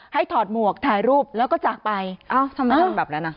ถอดหมวกถ่ายรูปแล้วก็จากไปเอ้าทำไมทำแบบนั้นอ่ะ